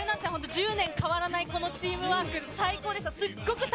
１０年変わらないこのチームワーク、最高でした。